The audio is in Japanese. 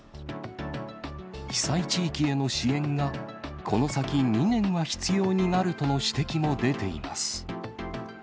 被災地域への支援が、この先２年は必要になるとの指摘も出ています。